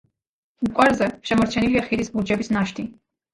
მტკვარზე შემორჩენილია ხიდის ბურჯების ნაშთი.